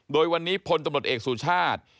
โดยวันนี้พลตำรวจเอกสุชาติ